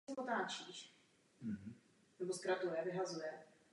Na závěr je stejně důležité se znovu zabývat regulačním rámcem.